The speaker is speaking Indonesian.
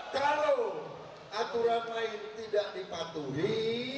kalau aturan main tidak dipatuhi